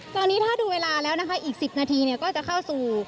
ตอนนี้ถ้าดูเวลาแล้วนะคะอีก๑๐นาทีก็จะเข้าสู่